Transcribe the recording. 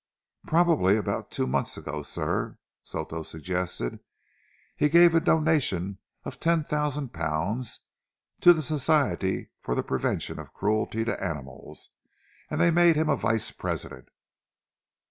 "Probably about two months ago, sir," Soto suggested. "He gave a donation of ten thousand pounds to the Society for the Prevention of Cruelty to Animals, and they made him a Vice President....